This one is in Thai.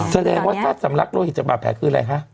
แสดงว่าถ้าสำลักโลหิตจากบาดแผลคืออะไรคะ